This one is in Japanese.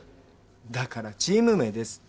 だからチーム名ですって。